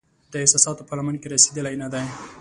د احساساتو په لمن کې رسیدلې نه دی